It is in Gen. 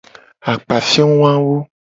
Akpafio wawo.